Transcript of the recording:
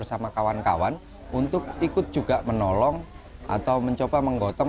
bersama kawan kawan untuk ikut juga menolong atau mencoba menggotong